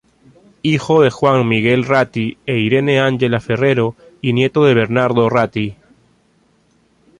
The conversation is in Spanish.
Hijo de Juan Miguel Ratti e Irene Ángela Ferrero y nieto de Bernardo Ratti.